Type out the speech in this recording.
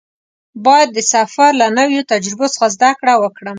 باید د سفر له نویو تجربو څخه زده کړه وکړم.